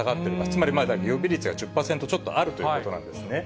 つまり、予備率がまだ１０％あるということなんですね。